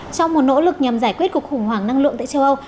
trong một nỗ lực nhằm giải quyết cuộc khủng hoảng năng lượng tại châu âu